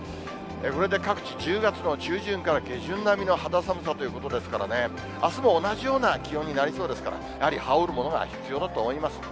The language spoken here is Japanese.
これで各地、１０月の中旬から下旬並みの肌寒さということですから、あすも同じような気温になりそうですから、やはり羽織るものが必要だと思います。